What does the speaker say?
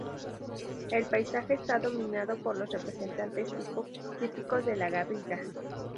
El paisaje está dominado por los representantes típicos de la garriga.